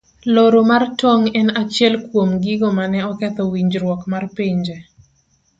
Loro mar tong' en achiel kuom gigo mane oketho winjruok mar pinje.